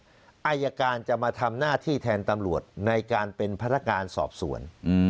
อายการจะมาทำหน้าที่แทนตำรวจในการเป็นพนักงานสอบสวน